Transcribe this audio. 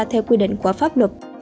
theo quy định của pháp luật